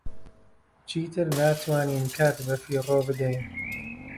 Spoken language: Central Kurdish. چیتر ناتوانین کات بەفیڕۆ بدەین.